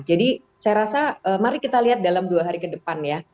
jadi saya rasa mari kita lihat dalam dua hari ke depan ya